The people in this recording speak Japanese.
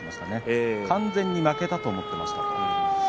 完全に負けたと思ってました。